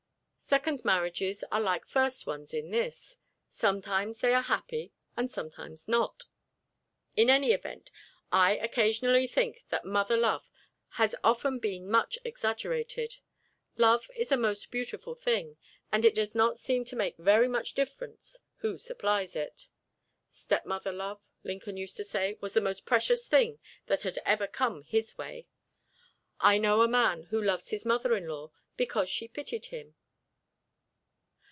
Second marriages are like first ones in this: Sometimes they are happy and sometimes not. In any event, I occasionally think that mother love has often been much exaggerated. Love is a most beautiful thing, and it does not seem to make very much difference who supplies it. Stepmother love, Lincoln used to say, was the most precious thing that had ever come his way. I know a man who loves his mother in law, because she pitied him.